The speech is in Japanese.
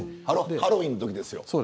あの、ハロウィーンのときですよ。